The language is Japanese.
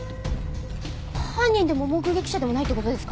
犯人でも目撃者でもないって事ですか？